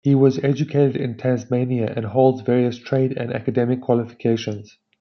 He was educated in Tasmania, and holds various trade and academic qualifications.